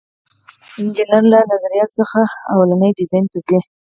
انجینر له نظریاتو څخه لومړني ډیزاین ته ځي.